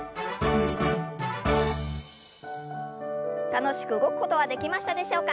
楽しく動くことはできましたでしょうか。